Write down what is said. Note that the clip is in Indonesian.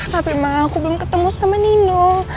tapi emang aku belum ketemu sama nino